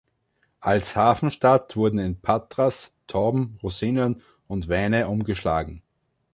Als Hafenstadt wurden in Patras Trauben, Rosinen und Weine umgeschlagen.